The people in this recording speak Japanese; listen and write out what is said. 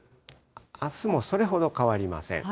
あすもそれほど変わりません。